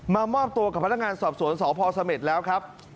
มอบตัวกับพนักงานสอบสวนสพเสม็ดแล้วครับ